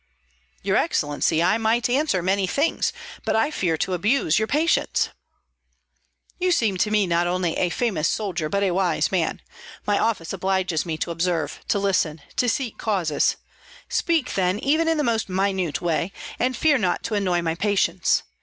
"Your excellency, I might answer many things, but I fear to abuse your patience." "You seem to me not only a famous soldier, but a wise man. My office obliges me to observe, to listen, to seek causes; speak then, even in the most minute way, and fear not to annoy my patience.